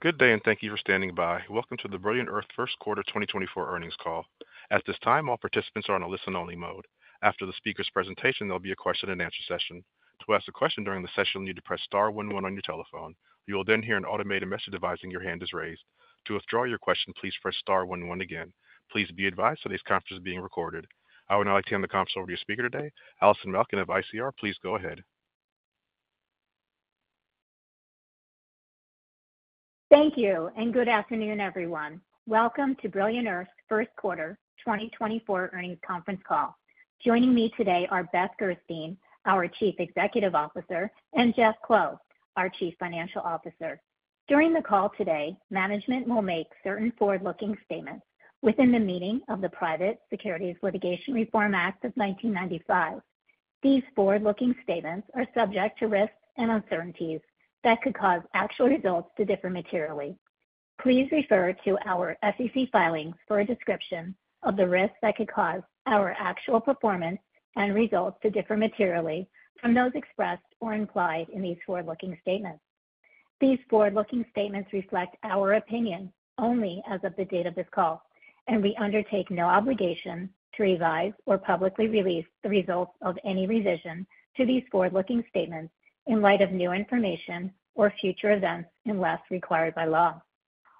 Good day and thank you for standing by. Welcome to the Brilliant Earth First Quarter 2024 earnings call. At this time, all participants are on a listen-only mode. After the speaker's presentation, there'll be a question-and-answer session. To ask a question during the session, you need to "press star one one" on your telephone. You will then hear an automated message advising your hand is raised. To withdraw your question, "please press star one one" again. Please be advised today's conference is being recorded. I would now like to hand the conference over to your speaker today, Allison Malkin of ICR. Please go ahead. Thank you, and good afternoon, everyone. Welcome to Brilliant Earth First Quarter 2024 earnings conference call. Joining me today are Beth Gerstein, our Chief Executive Officer, and Jeff Kuo, our Chief Financial Officer. During the call today, management will make certain forward-looking statements within the meaning of the Private Securities Litigation Reform Act of 1995. These forward-looking statements are subject to risks and uncertainties that could cause actual results to differ materially. Please refer to our SEC filings for a description of the risks that could cause our actual performance and results to differ materially from those expressed or implied in these forward-looking statements. These forward-looking statements reflect our opinion only as of the date of this call, and we undertake no obligation to revise or publicly release the results of any revision to these forward-looking statements in light of new information or future events unless required by law.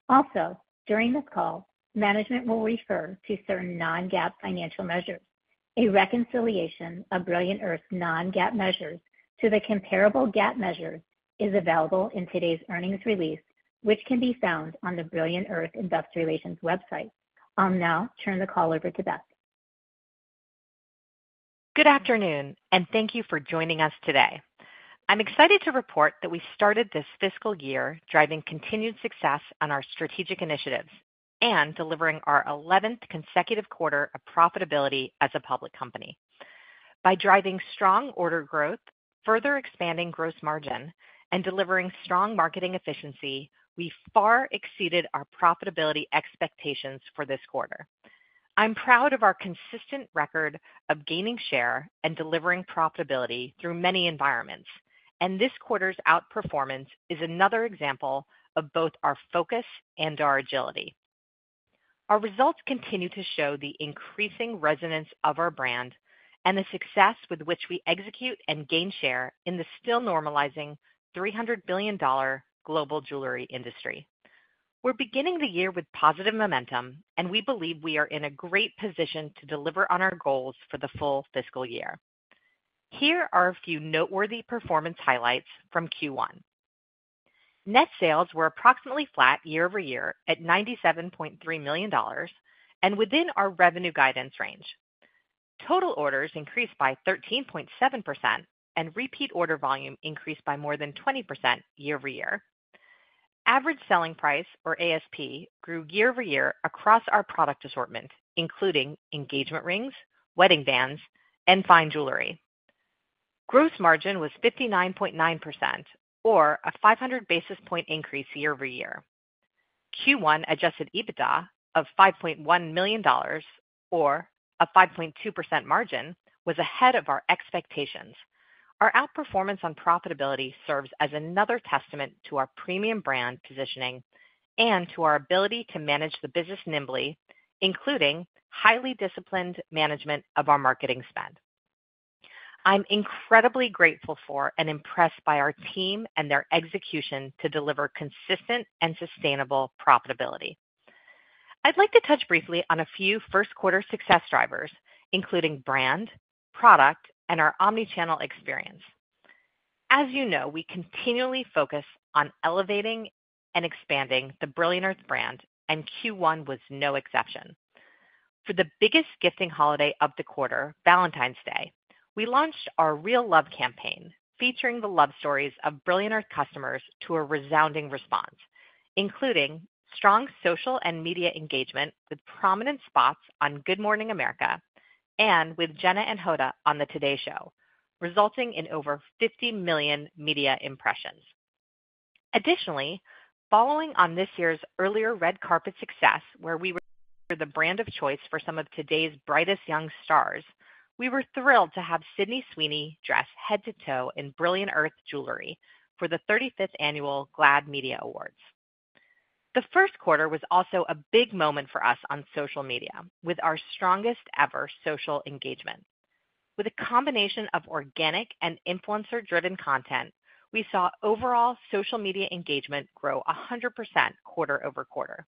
Also, during this call, management will refer to certain non-GAAP financial measures. A reconciliation of Brilliant Earth's non-GAAP measures to the comparable GAAP measures is available in today's earnings release, which can be found on the Brilliant Earth Investor Relations website. I'll now turn the call over to Beth. Good afternoon, and thank you for joining us today. I'm excited to report that we started this fiscal year driving continued success on our strategic initiatives and delivering our 11th consecutive quarter of profitability as a public company. By driving strong order growth, further expanding gross margin, and delivering strong marketing efficiency, we far exceeded our profitability expectations for this quarter. I'm proud of our consistent record of gaining share and delivering profitability through many environments, and this quarter's outperformance is another example of both our focus and our agility. Our results continue to show the increasing resonance of our brand and the success with which we execute and gain share in the still normalizing $300 billion global jewelry industry. We're beginning the year with positive momentum, and we believe we are in a great position to deliver on our goals for the full fiscal year. Here are a few noteworthy performance highlights from Q1. Net sales were approximately flat year over year at $97.3 million and within our revenue guidance range. Total orders increased by 13.7%, and repeat order volume increased by more than 20% year over year. Average selling price, or ASP, grew year over year across our product assortment, including engagement rings, wedding bands, and fine jewelry. Gross margin was 59.9%, or a 500 basis point increase year over year. Q1 adjusted EBITDA of $5.1 million, or a 5.2% margin, was ahead of our expectations. Our outperformance on profitability serves as another testament to our premium brand positioning and to our ability to manage the business nimbly, including highly disciplined management of our marketing spend. I'm incredibly grateful for and impressed by our team and their execution to deliver consistent and sustainable profitability. I'd like to touch briefly on a few first quarter success drivers, including brand, product, and our omnichannel experience. As you know, we continually focus on elevating and expanding the Brilliant Earth brand, and Q1 was no exception. For the biggest gifting holiday of the quarter, Valentine's Day, we launched our Real Love campaign featuring the love stories of Brilliant Earth customers to a resounding response, including strong social and media engagement with prominent spots on Good Morning America and with Jenna and Hoda on the Today Show, resulting in over 50 million media impressions. Additionally, following on this year's earlier red carpet success where we were the brand of choice for some of today's brightest young stars, we were thrilled to have Sydney Sweeney dress head to toe in Brilliant Earth jewelry for the 35th annual GLAAD Media Awards. The first quarter was also a big moment for us on social media with our strongest ever social engagement. With a combination of organic and influencer-driven content, we saw overall social media engagement grow 100% quarter-over-quarter.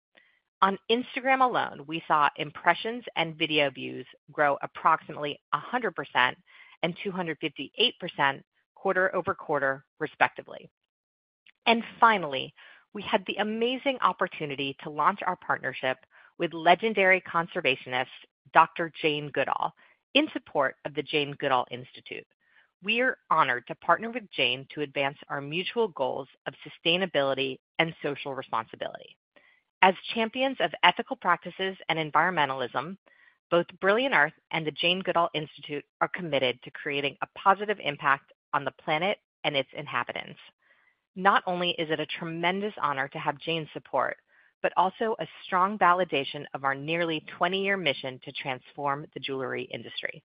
On Instagram alone, we saw impressions and video views grow approximately 100% and 258% quarter-over-quarter, respectively. Finally, we had the amazing opportunity to launch our partnership with legendary conservationist Dr. Jane Goodall in support of the Jane Goodall Institute. We are honored to partner with Jane to advance our mutual goals of sustainability and social responsibility. As champions of ethical practices and environmentalism, both Brilliant Earth and the Jane Goodall Institute are committed to creating a positive impact on the planet and its inhabitants. Not only is it a tremendous honor to have Jane's support, but also a strong validation of our nearly 20-year mission to transform the jewelry industry.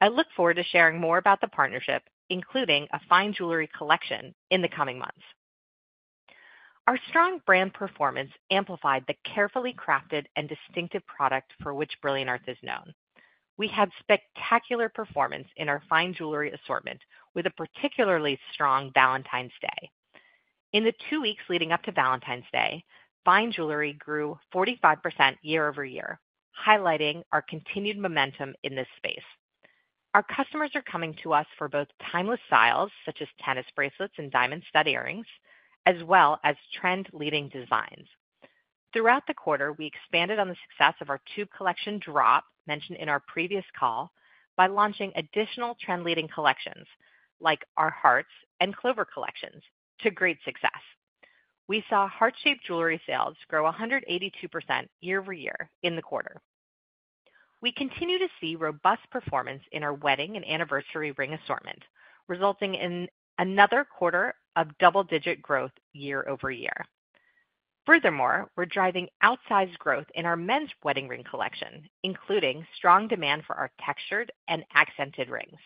I look forward to sharing more about the partnership, including a fine jewelry collection in the coming months. Our strong brand performance amplified the carefully crafted and distinctive product for which Brilliant Earth is known. We had spectacular performance in our fine jewelry assortment with a particularly strong Valentine's Day. In the two weeks leading up to Valentine's Day, fine jewelry grew 45% year-over-year, highlighting our continued momentum in this space. Our customers are coming to us for both timeless styles such as tennis bracelets and diamond stud earrings, as well as trend-leading designs. Throughout the quarter, we expanded on the success of our Tube Collection drop mentioned in our previous call by launching additional trend-leading collections like our Heart and lover collections to great success. We saw heart-shaped jewelry sales grow 182% year-over-year in the quarter. We continue to see robust performance in our wedding and anniversary ring assortment, resulting in another quarter of double-digit growth year-over-year. Furthermore, we're driving outsized growth in our men's wedding ring collection, including strong demand for our textured and accented rings.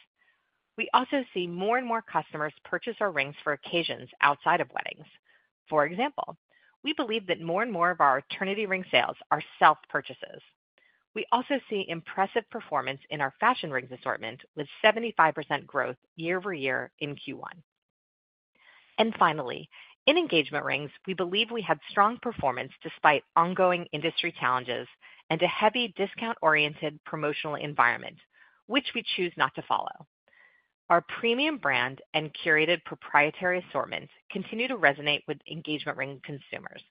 We also see more and more customers purchase our rings for occasions outside of weddings. For example, we believe that more and more of our eternity ring sales are self-purchases. We also see impressive performance in our fashion rings assortment with 75% growth year-over-year in Q1. And finally, in engagement rings, we believe we have strong performance despite ongoing industry challenges and a heavy discount-oriented promotional environment, which we choose not to follow. Our premium brand and curated proprietary assortments continue to resonate with engagement ring consumers,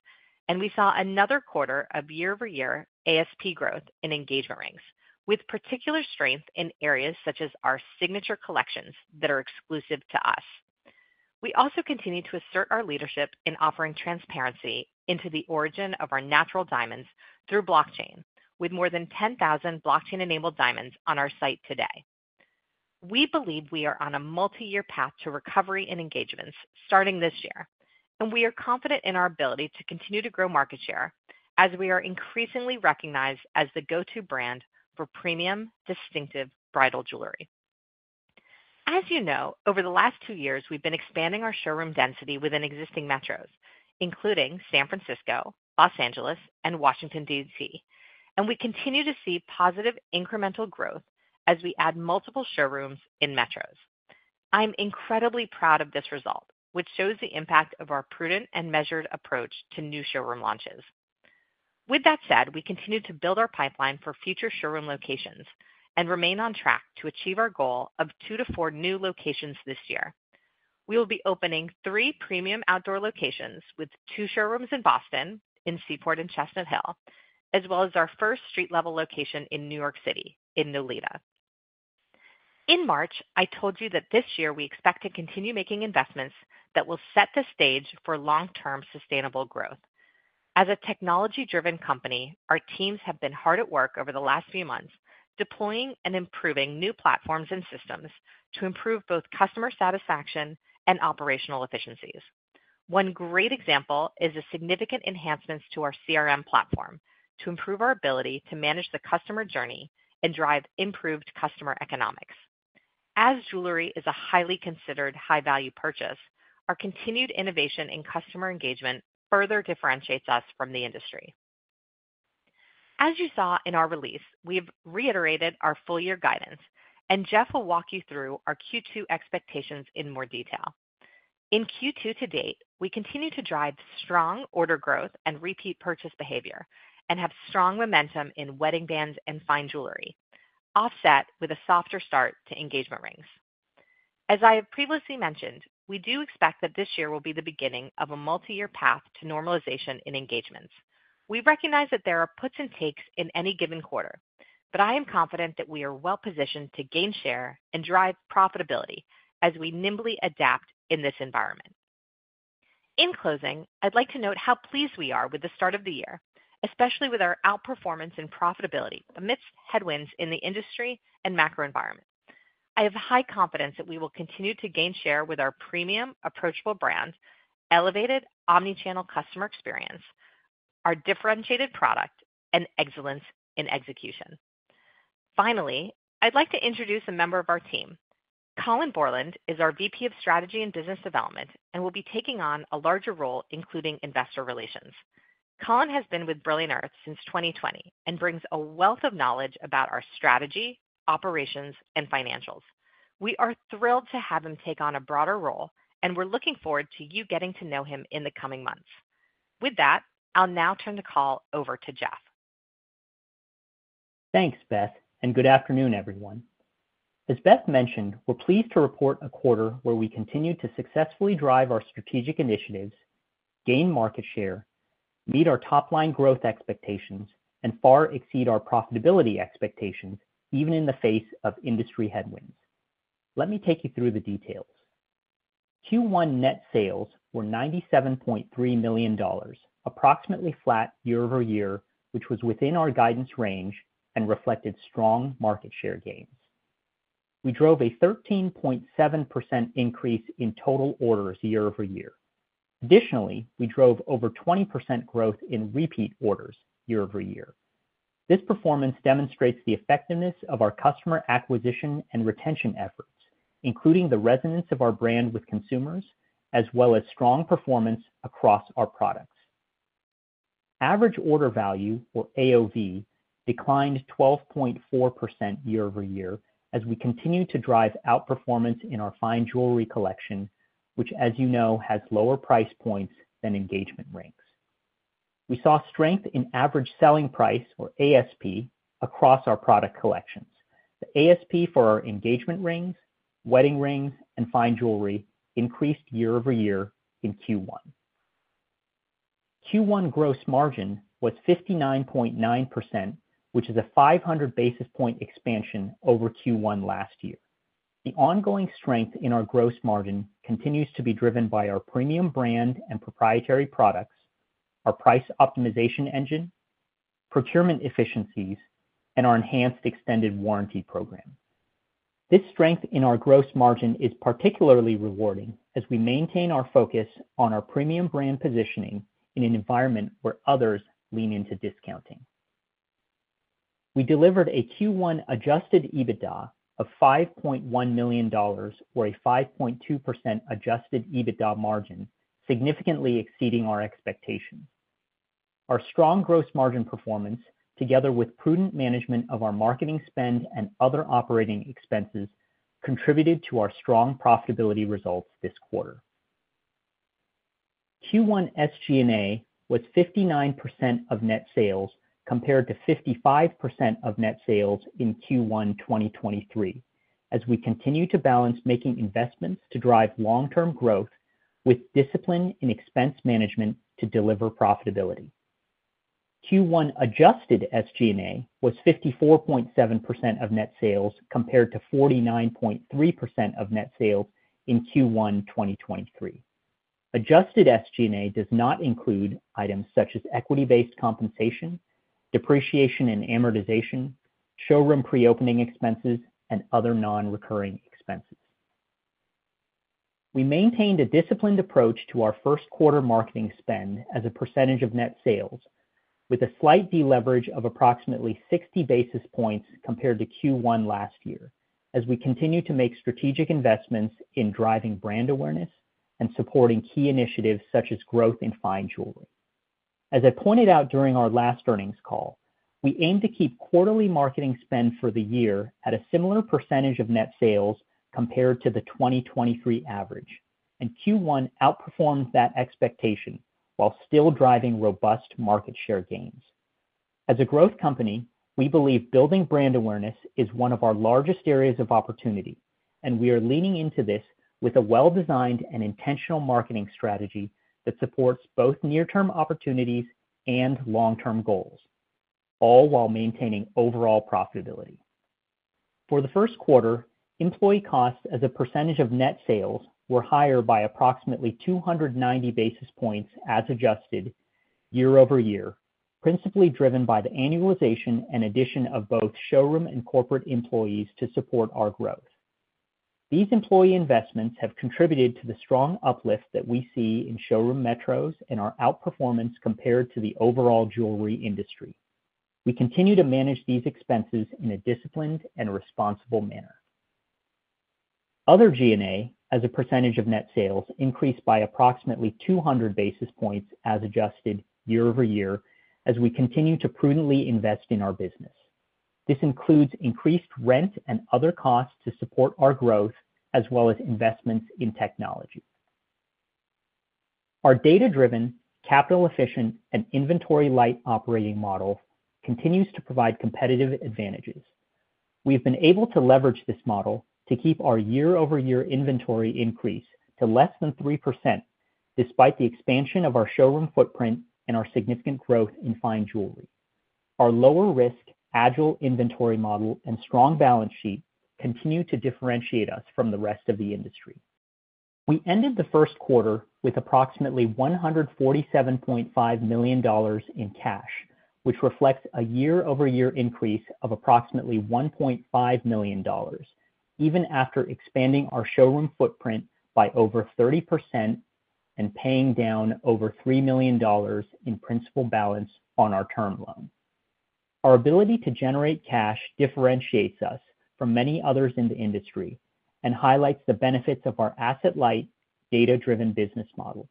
and we saw another quarter of year-over-year ASP growth in engagement rings, with particular strength in areas such as our signature collections that are exclusive to us. We also continue to assert our leadership in offering transparency into the origin of our natural diamonds through blockchain, with more than 10,000 blockchain-enabled diamonds on our site today. We believe we are on a multi-year path to recovery in engagements starting this year, and we are confident in our ability to continue to grow market share as we are increasingly recognized as the go-to brand for premium, distinctive bridal jewelry. As you know, over the last two years, we've been expanding our showroom density within existing metros, including San Francisco, Los Angeles, and Washington, D.C., and we continue to see positive incremental growth as we add multiple showrooms in metros. I'm incredibly proud of this result, which shows the impact of our prudent and measured approach to new showroom launches. With that said, we continue to build our pipeline for future showroom locations and remain on track to achieve our goal of two to four new locations this year. We will be opening three premium outdoor locations with two showrooms in Boston, in Seaport and Chestnut Hill, as well as our first street-level location in New York City in Nolita. In March, I told you that this year we expect to continue making investments that will set the stage for long-term sustainable growth. As a technology-driven company, our teams have been hard at work over the last few months deploying and improving new platforms and systems to improve both customer satisfaction and operational efficiencies. One great example is the significant enhancements to our CRM platform to improve our ability to manage the customer journey and drive improved customer economics. As jewelry is a highly considered high-value purchase, our continued innovation in customer engagement further differentiates us from the industry. As you saw in our release, we have reiterated our full-year guidance, and Jeff will walk you through our Q2 expectations in more detail. In Q2 to date, we continue to drive strong order growth and repeat purchase behavior and have strong momentum in wedding bands and fine jewelry, offset with a softer start to engagement rings. As I have previously mentioned, we do expect that this year will be the beginning of a multi-year path to normalization in engagements. We recognize that there are puts and takes in any given quarter, but I am confident that we are well positioned to gain share and drive profitability as we nimbly adapt in this environment. In closing, I'd like to note how pleased we are with the start of the year, especially with our outperformance in profitability amidst headwinds in the industry and macro environment. I have high confidence that we will continue to gain share with our premium, approachable brand, elevated omnichannel customer experience, our differentiated product, and excellence in execution. Finally, I'd like to introduce a member of our team. Colin Bourland is our VP of Strategy and Business Development and will be taking on a larger role, including investor relations. Colin has been with Brilliant Earth since 2020 and brings a wealth of knowledge about our strategy, operations, and financials. We are thrilled to have him take on a broader role, and we're looking forward to you getting to know him in the coming months. With that, I'll now turn the call over to Jeff. Thanks, Beth, and good afternoon, everyone. As Beth mentioned, we're pleased to report a quarter where we continue to successfully drive our strategic initiatives, gain market share, meet our top-line growth expectations, and far exceed our profitability expectations even in the face of industry headwinds. Let me take you through the details. Q1 net sales were $97.3 million, approximately flat year-over-year, which was within our guidance range and reflected strong market share gains. We drove a 13.7% increase in total orders year-over-year. Additionally, we drove over 20% growth in repeat orders year-over-year. This performance demonstrates the effectiveness of our customer acquisition and retention efforts, including the resonance of our brand with consumers, as well as strong performance across our products. Average order value, or AOV, declined 12.4% year-over-year as we continue to drive outperformance in our fine jewelry collection, which, as you know, has lower price points than engagement rings. We saw strength in average selling price, or ASP, across our product collections. The ASP for our engagement rings, wedding rings, and fine jewelry increased year-over-year in Q1. Q1 gross margin was 59.9%, which is a 500 basis point expansion over Q1 last year. The ongoing strength in our gross margin continues to be driven by our premium brand and proprietary products, our price optimization engine, procurement efficiencies, and our enhanced extended warranty program. This strength in our gross margin is particularly rewarding as we maintain our focus on our premium brand positioning in an environment where others lean into discounting. We delivered a Q1 Adjusted EBITDA of $5.1 million, or a 5.2% Adjusted EBITDA margin, significantly exceeding our expectations. Our strong gross margin performance, together with prudent management of our marketing spend and other operating expenses, contributed to our strong profitability results this quarter. Q1 SG&A was 59% of net sales compared to 55% of net sales in Q1 2023 as we continue to balance making investments to drive long-term growth with discipline in expense management to deliver profitability. Q1 Adjusted SG&A was 54.7% of net sales compared to 49.3% of net sales in Q1 2023. Adjusted SG&A does not include items such as equity-based compensation, depreciation and amortization, showroom pre-opening expenses, and other non-recurring expenses. We maintained a disciplined approach to our first quarter marketing spend as a percentage of net sales, with a slight deleverage of approximately 60 basis points compared to Q1 last year as we continue to make strategic investments in driving brand awareness and supporting key initiatives such as growth in fine jewelry. As I pointed out during our last earnings call, we aim to keep quarterly marketing spend for the year at a similar percentage of net sales compared to the 2023 average, and Q1 outperformed that expectation while still driving robust market share gains. As a growth company, we believe building brand awareness is one of our largest areas of opportunity, and we are leaning into this with a well-designed and intentional marketing strategy that supports both near-term opportunities and long-term goals, all while maintaining overall profitability. For the first quarter, employee costs as a percentage of net sales were higher by approximately 290 basis points as adjusted year-over-year, principally driven by the annualization and addition of both showroom and corporate employees to support our growth. These employee investments have contributed to the strong uplift that we see in showroom metros and our outperformance compared to the overall jewelry industry. We continue to manage these expenses in a disciplined and responsible manner. Other G&A as a percentage of net sales increased by approximately 200 basis points as adjusted year-over-year as we continue to prudently invest in our business. This includes increased rent and other costs to support our growth, as well as investments in technology. Our data-driven, capital-efficient, and inventory-light operating model continues to provide competitive advantages. We've been able to leverage this model to keep our year-over-year inventory increase to less than 3% despite the expansion of our showroom footprint and our significant growth in fine jewelry. Our lower-risk, agile inventory model and strong balance sheet continue to differentiate us from the rest of the industry. We ended the first quarter with approximately $147.5 million in cash, which reflects a year-over-year increase of approximately $1.5 million, even after expanding our showroom footprint by over 30% and paying down over $3 million in principal balance on our term loan. Our ability to generate cash differentiates us from many others in the industry and highlights the benefits of our asset-light, data-driven business model.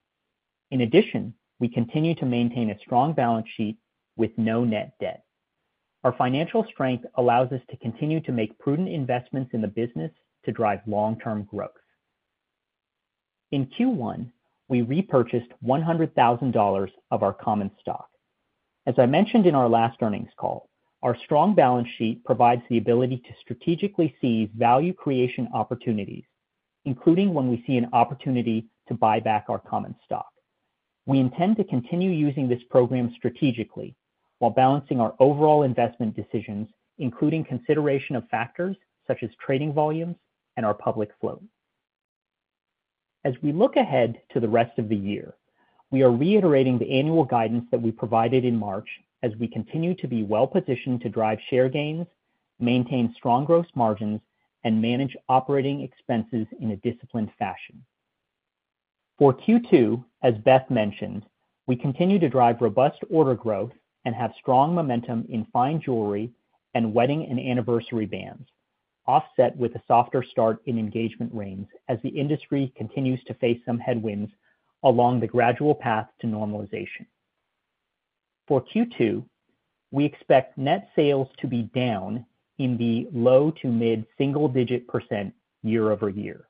In addition, we continue to maintain a strong balance sheet with no net debt. Our financial strength allows us to continue to make prudent investments in the business to drive long-term growth. In Q1, we repurchased $100,000 of our common stock. As I mentioned in our last earnings call, our strong balance sheet provides the ability to strategically seize value creation opportunities, including when we see an opportunity to buy back our common stock. We intend to continue using this program strategically while balancing our overall investment decisions, including consideration of factors such as trading volumes and our public float. As we look ahead to the rest of the year, we are reiterating the annual guidance that we provided in March as we continue to be well positioned to drive share gains, maintain strong gross margins, and manage operating expenses in a disciplined fashion. For Q2, as Beth mentioned, we continue to drive robust order growth and have strong momentum in fine jewelry and wedding and anniversary bands, offset with a softer start in engagement rings as the industry continues to face some headwinds along the gradual path to normalization. For Q2, we expect net sales to be down in the low- to mid-single-digit % year-over-year.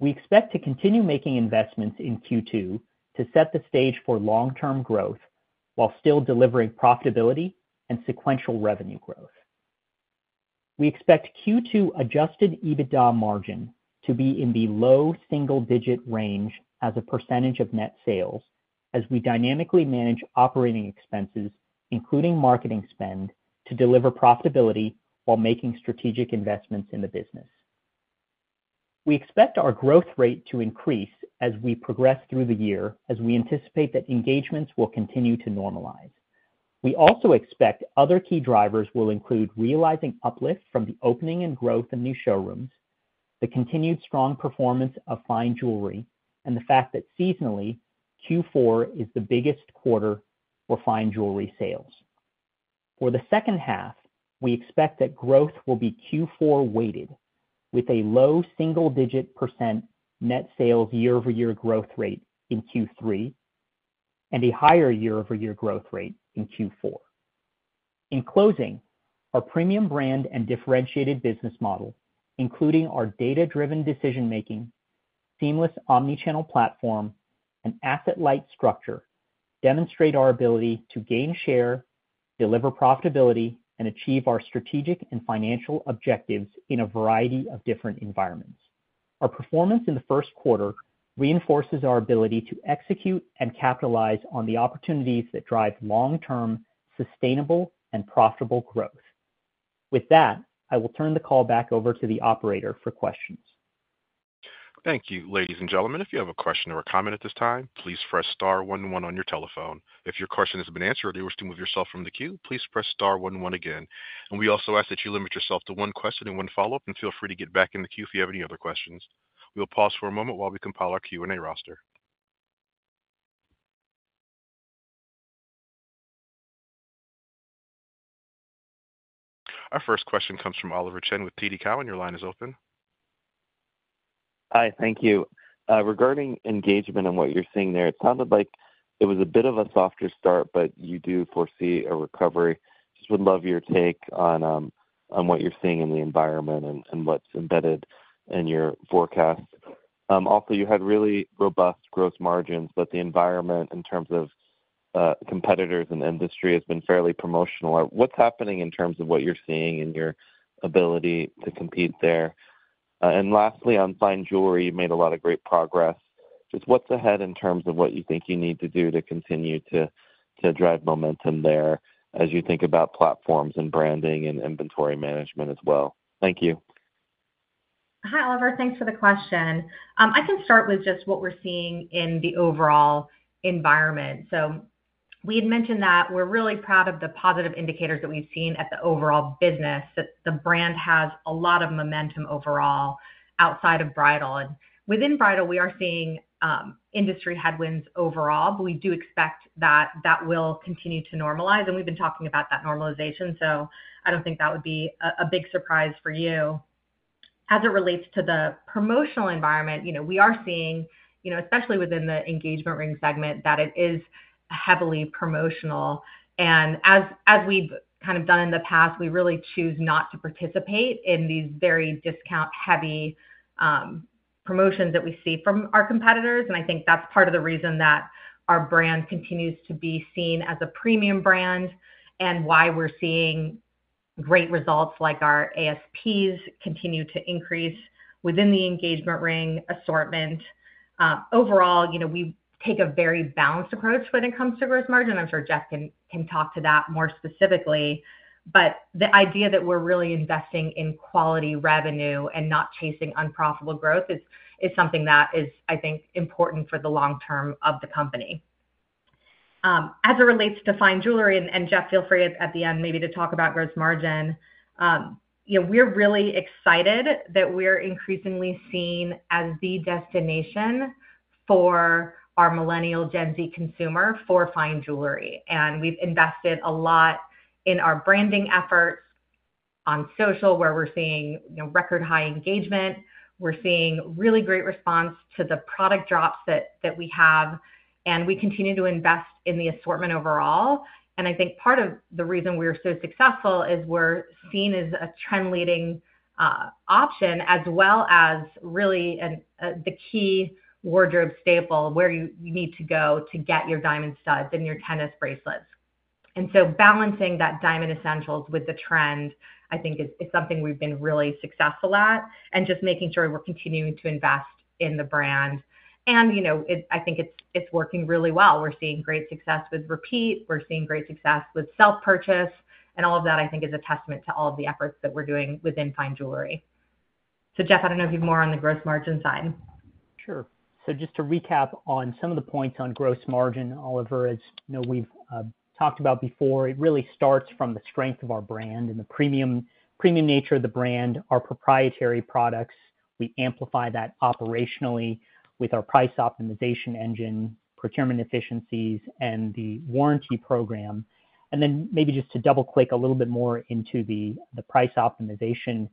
We expect to continue making investments in Q2 to set the stage for long-term growth while still delivering profitability and sequential revenue growth. We expect Q2 Adjusted EBITDA margin to be in the low-single-digit range as a percentage of net sales as we dynamically manage operating expenses, including marketing spend, to deliver profitability while making strategic investments in the business. We expect our growth rate to increase as we progress through the year as we anticipate that engagements will continue to normalize. We also expect other key drivers will include realizing uplift from the opening and growth of new showrooms, the continued strong performance of fine jewelry, and the fact that seasonally, Q4 is the biggest quarter for fine jewelry sales. For the second half, we expect that growth will be Q4-weighted, with a low single-digit % net sales year-over-year growth rate in Q3 and a higher year-over-year growth rate in Q4. In closing, our premium brand and differentiated business model, including our data-driven decision-making, seamless omnichannel platform, and asset-light structure, demonstrate our ability to gain share, deliver profitability, and achieve our strategic and financial objectives in a variety of different environments. Our performance in the first quarter reinforces our ability to execute and capitalize on the opportunities that drive long-term, sustainable, and profitable growth. With that, I will turn the call back over to the operator for questions. Thank you, ladies and gentlemen. If you have a question or a comment at this time, "please press star one one" on your telephone. If your question has been answered or you wish to move yourself from the queue, "please press star one one" again. We also ask that you limit yourself to one question and one follow-up, and feel free to get back in the queue if you have any other questions. We will pause for a moment while we compile our Q&A roster. Our first question comes from Oliver Chen with TD Cowen. Your line is open. Hi. Thank you. Regarding engagement and what you're seeing there, it sounded like it was a bit of a softer start, but you do foresee a recovery. Just would love your take on what you're seeing in the environment and what's embedded in your forecast. Also, you had really robust gross margins, but the environment in terms of competitors and industry has been fairly promotional. What's happening in terms of what you're seeing and your ability to compete there? And lastly, on fine jewelry, you made a lot of great progress. Just what's ahead in terms of what you think you need to do to continue to drive momentum there as you think about platforms and branding and inventory management as well? Thank you. Hi, Oliver. Thanks for the question. I can start with just what we're seeing in the overall environment. So we had mentioned that we're really proud of the positive indicators that we've seen at the overall business, that the brand has a lot of momentum overall outside of Bridal. And within Bridal, we are seeing industry headwinds overall, but we do expect that that will continue to normalize. And we've been talking about that normalization, so I don't think that would be a big surprise for you. As it relates to the promotional environment, we are seeing, especially within the engagement ring segment, that it is heavily promotional. And as we've kind of done in the past, we really choose not to participate in these very discount-heavy promotions that we see from our competitors. I think that's part of the reason that our brand continues to be seen as a premium brand and why we're seeing great results like our ASPs continue to increase within the engagement ring assortment. Overall, we take a very balanced approach when it comes to gross margin. I'm sure Jeff can talk to that more specifically. The idea that we're really investing in quality revenue and not chasing unprofitable growth is something that is, I think, important for the long term of the company. As it relates to fine jewelry and Jeff, feel free at the end maybe to talk about gross margin. We're really excited that we're increasingly seen as the destination for our Millennial Gen Z consumer for fine jewelry. We've invested a lot in our branding efforts on social, where we're seeing record-high engagement. We're seeing really great response to the product drops that we have. We continue to invest in the assortment overall. I think part of the reason we're so successful is we're seen as a trend-leading option as well as really the key wardrobe staple where you need to go to get your diamond studs and your tennis bracelets. So balancing that diamond essentials with the trend, I think, is something we've been really successful at and just making sure we're continuing to invest in the brand. I think it's working really well. We're seeing great success with repeat. We're seeing great success with self-purchase. All of that, I think, is a testament to all of the efforts that we're doing within fine jewelry. So Jeff, I don't know if you're more on the gross margin side. Sure. So just to recap on some of the points on gross margin, Oliver, as we've talked about before, it really starts from the strength of our brand and the premium nature of the brand, our proprietary products. We amplify that operationally with our price optimization engine, procurement efficiencies, and the warranty program. And then maybe just to double-click a little bit more into the price optimization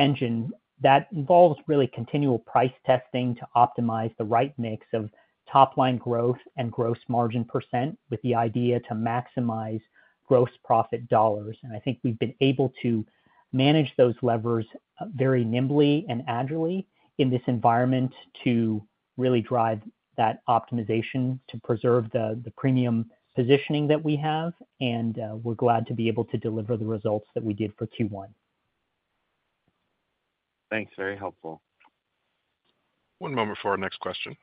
engine, that involves really continual price testing to optimize the right mix of top-line growth and gross margin % with the idea to maximize gross profit dollars. And I think we've been able to manage those levers very nimbly and agilely in this environment to really drive that optimization to preserve the premium positioning that we have. And we're glad to be able to deliver the results that we did for Q1. Thanks. Very helpful. One moment for our next question.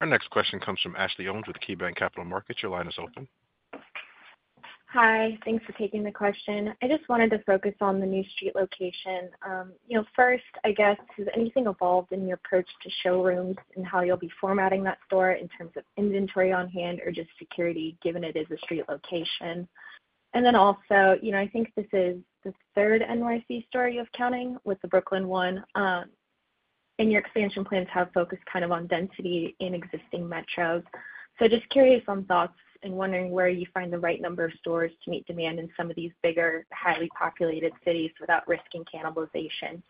Our next question comes from Ashley Owens with KeyBanc Capital Markets. Your line is open. Hi. Thanks for taking the question. I just wanted to focus on the new street location. First, I guess, has anything evolved in your approach to showrooms and how you'll be formatting that store in terms of inventory on hand or just security, given it is a street location? And then also, I think this is the third NYC store you have counting with the Brooklyn one. And your expansion plans have focused kind of on density in existing metros. So just curious on thoughts and wondering where you find the right number of stores to meet demand in some of these bigger, highly populated cities without risking cannibalization.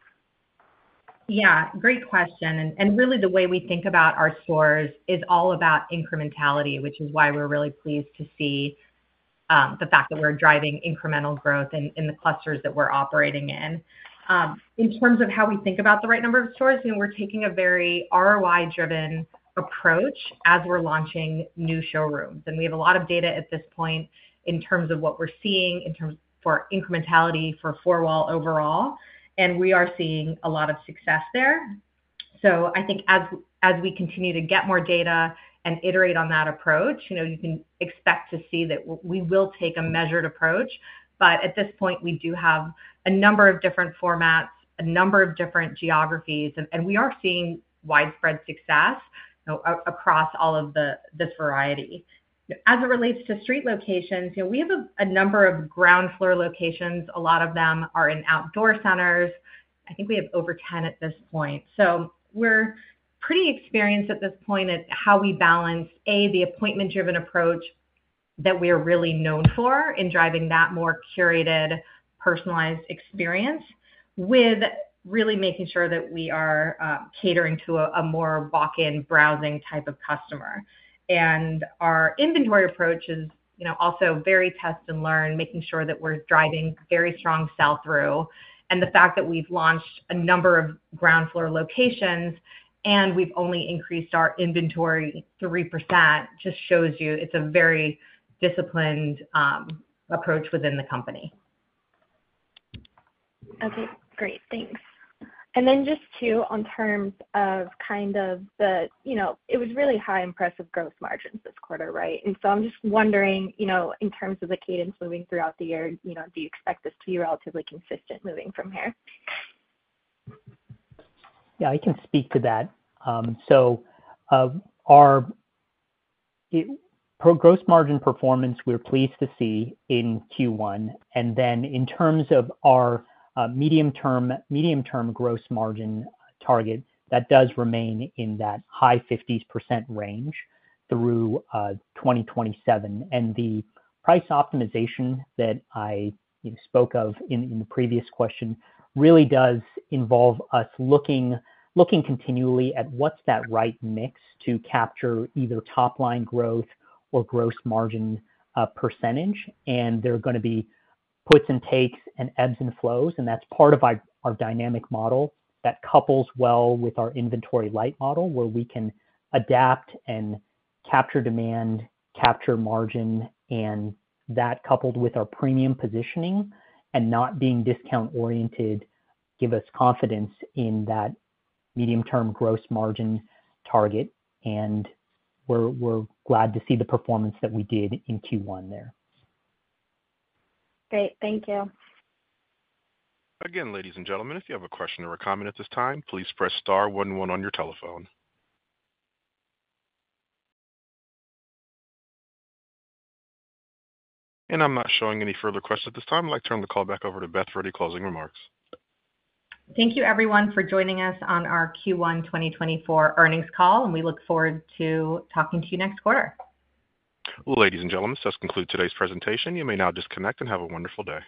Yeah. Great question. Really, the way we think about our stores is all about incrementality, which is why we're really pleased to see the fact that we're driving incremental growth in the clusters that we're operating in. In terms of how we think about the right number of stores, we're taking a very ROI-driven approach as we're launching new showrooms. We have a lot of data at this point in terms of what we're seeing for incrementality for four-wall overall. We are seeing a lot of success there. So I think as we continue to get more data and iterate on that approach, you can expect to see that we will take a measured approach. But at this point, we do have a number of different formats, a number of different geographies. We are seeing widespread success across all of this variety. As it relates to street locations, we have a number of ground floor locations. A lot of them are in outdoor centers. I think we have over 10 at this point. So we're pretty experienced at this point at how we balance, A, the appointment-driven approach that we are really known for in driving that more curated, personalized experience, with really making sure that we are catering to a more walk-in, browsing type of customer. And our inventory approach is also very test and learn, making sure that we're driving very strong sell-through. And the fact that we've launched a number of ground floor locations and we've only increased our inventory 3% just shows you it's a very disciplined approach within the company. Okay. Great. Thanks. And then just to, in terms of kind of it was really high, impressive gross margins this quarter, right? And so I'm just wondering, in terms of the cadence moving throughout the year, do you expect this to be relatively consistent moving from here? Yeah. I can speak to that. So gross margin performance, we're pleased to see in Q1. And then in terms of our medium-term gross margin target, that does remain in that high 50s% range through 2027. And the price optimization that I spoke of in the previous question really does involve us looking continually at what's that right mix to capture either top-line growth or gross margin percentage. And there are going to be puts and takes and ebbs and flows. And that's part of our dynamic model that couples well with our inventory-light model, where we can adapt and capture demand, capture margin, and that coupled with our premium positioning and not being discount-oriented give us confidence in that medium-term gross margin target. And we're glad to see the performance that we did in Q1 there. Great. Thank you. Again, ladies and gentlemen, if you have a question or a comment at this time, "please press star one one" on your telephone. I'm not showing any further questions at this time. I'd like to turn the call back over to Beth for any closing remarks. Thank you, everyone, for joining us on our Q1 2024 earnings call. We look forward to talking to you next quarter. Ladies and gentlemen, that concludes today's presentation. You may now disconnect and have a wonderful day.